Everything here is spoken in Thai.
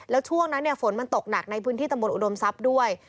แล้วช่วงนั้นฝนมันตกหนักในพื้นที่ตำบลอุดมทรัพย์ด้วย